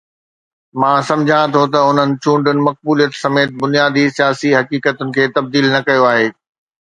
مان سمجهان ٿو ته انهن چونڊن مقبوليت سميت بنيادي سياسي حقيقتن کي تبديل نه ڪيو آهي.